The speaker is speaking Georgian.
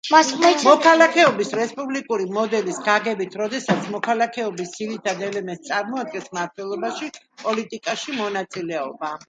მოქალაქეობის რესპუბლიკური მოდელის გაგებით როდესაც მოქალაქეობის ძირითად ელემენტს წარმოადგენს მმართველობაში, პოლიტიკაში მონაწილეობა.